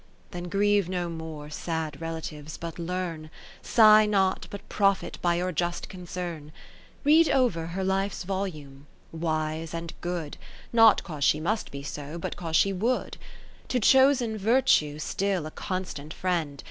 Then grieve no more, sad relatives, but learn ; Sigh not, but profit by your just concern. Read over her life's volume : wise and good. Not 'cause she must be so, but 'cause she wou'd. To chosen Virtue still a constant friend.